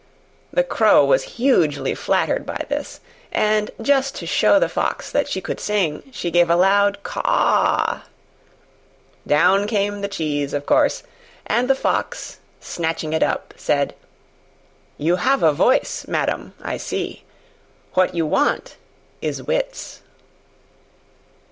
The Crow was hugely flattered by this, and just to show the Fox that she could sing she gave a loud caw. Down came the cheese, of course, and the Fox, snatching it up, said, "You have a voice, madam, I see: what you want is wits."